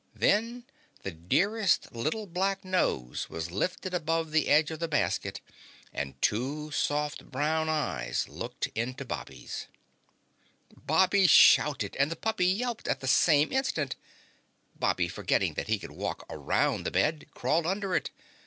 Then the dearest little black nose was lifted above the edge of the basket and two soft brown eyes looked into Bobby's. Bobby shouted and the puppy yelped at the same instant. Bobby, forgetting that he could walk around the bed, crawled under it.